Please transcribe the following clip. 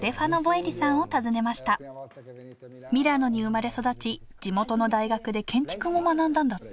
ミラノに生まれ育ち地元の大学で建築も学んだんだって